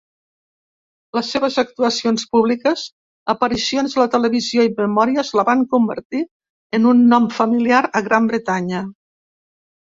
Les seves actuacions públiques, aparicions a la televisió i memòries la van convertir en un nom familiar a Gran Bretanya.